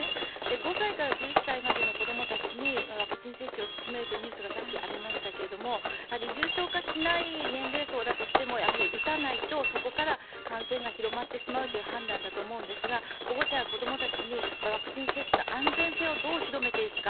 ５歳から１１歳までの子どもたちにワクチン接種を進めるというニュースがさっきありましたけど重症化しない年齢層だとしても打たないと、そこから感染が広がってしまうという判断だと思うんですが保護者は子どもたちにワクチン接種の安全性をどう広めていくか。